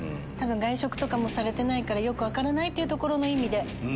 多分外食とかもされてないからよく分からないってとこの意味で。